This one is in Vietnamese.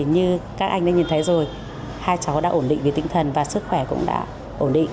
như các anh đã nhìn thấy rồi hai cháu đã ổn định về tinh thần và sức khỏe cũng đã ổn định